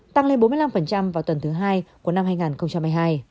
tăng lên bốn mươi năm vào tuần thứ hai của năm hai nghìn hai mươi hai